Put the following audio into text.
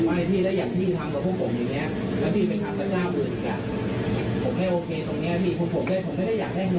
ไม่ได้อย่างแก่เงินคือตรงนี้